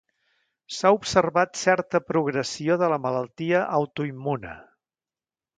S'ha observat certa progressió de la malaltia autoimmune